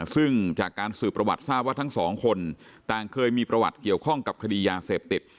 ซึ่งจากการสืบประวัติทราบว่าทั้งสองคนต่างเคยมีประวัติเกี่ยวข้องกับคดียาเสพติด